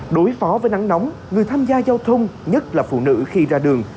đối phó với nắng nóng người tham gia giao thông nhất là phụ nữ khi ra đường